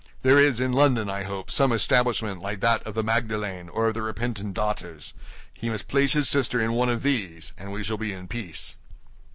There is in London, I hope, some establishment like that of the Magdalens, or of the Repentant Daughters. He must place his sister in one of these, and we shall be in peace."